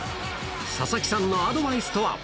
佐々木さんのアドバイスとは。